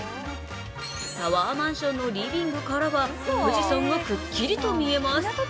タワーマンションのリビングからは、富士山がくっきりと見えます。